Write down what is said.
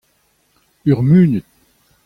Ur munud.